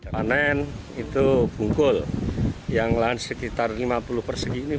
panen itu bungkul yang lahan sekitar lima puluh persegi ini